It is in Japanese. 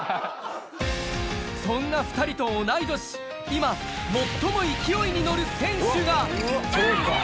そんな２人と同い年、今、最も勢いに乗る選手が。